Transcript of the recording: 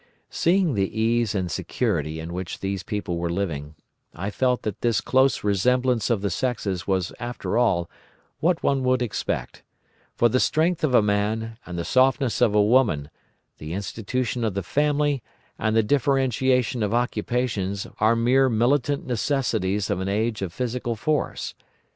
"Seeing the ease and security in which these people were living, I felt that this close resemblance of the sexes was after all what one would expect; for the strength of a man and the softness of a woman, the institution of the family, and the differentiation of occupations are mere militant necessities of an age of physical force.